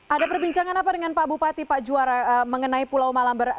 ada perbincangan apa dengan pak bupati pak juara mengenai pulau malamber